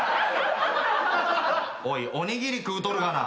おいおにぎり食うとるがな。